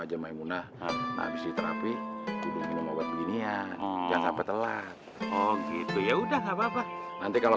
aja maimunah habis terapi gini ya jangan sampai telat oh gitu ya udah nggak apa apa nanti kalau